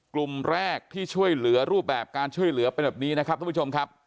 กลุ่มแรกที่ช่วยเหลือรูปแบบการช่วยเหลือเป็นแบบนี้นะครับทุกผู้ชมครับ